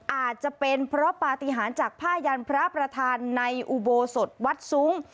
อาจจะเป็นเพราะปฏิหารจากผ้ายันพระประธานในอุโบสถวัดซุ้ง